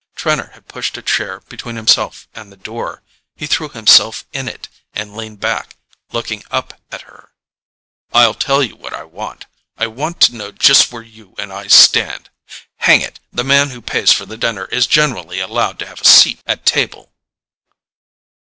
Trenor had pushed a chair between herself and the door. He threw himself in it, and leaned back, looking up at her. "I'll tell you what I want: I want to know just where you and I stand. Hang it, the man who pays for the dinner is generally allowed to have a seat at table."